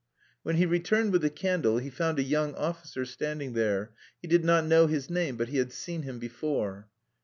When he returned with the candle he found a young officer standing there; he did not know his name but he had seen him before.